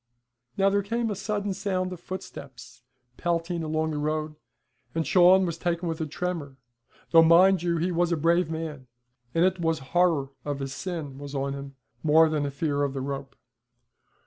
Now there came a sudden sound of footsteps pelting along the road, and Shawn was taken with a tremor, though, mind you, he was a brave man, and it was horror of his sin was on him more than a fear of the rope.